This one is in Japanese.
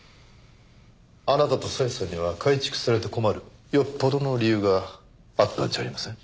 あなたと小枝さんには改築されて困るよっぽどの理由があったんじゃありません？